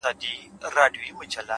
زحمت د راتلونکي بنسټ قوي کوي’